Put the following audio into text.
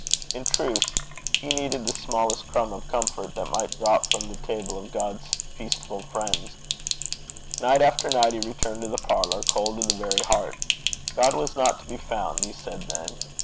In truth, he needed the smallest crumb of comfort that might drop from the table of God's 'feastful friends.' Night after night he returned to the parlour cold to the very heart. God was not to be found, he said then.